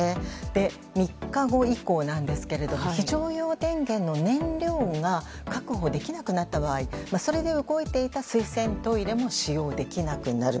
で、３日目以降なんですが非常用電源の燃料が確保できなくなった場合それで動いていた水洗トイレも使用できなくなる。